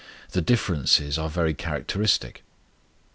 The differences are very characteristic.